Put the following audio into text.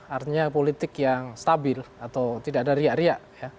artinya politik yang stabil atau tidak ada riak riak